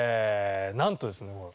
なんとですね